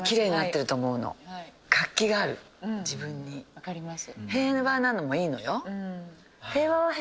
わかります。